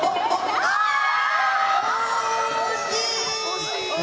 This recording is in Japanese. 惜しい！